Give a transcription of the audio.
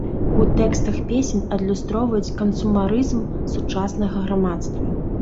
У тэкстах песень адлюстроўваюць кансумарызм сучаснага грамадства.